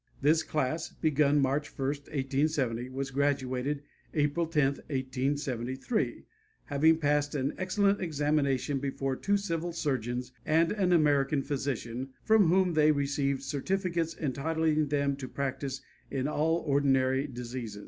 This class, begun March 1, 1870, was graduated April 10, 1873, having passed an excellent examination before two civil surgeons and an American physician, from whom they received certificates entitling them to practice in all ordinary diseases.